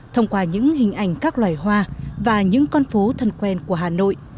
thông qua những hình ảnh các loài hoa và những con phố thân quen của hà nội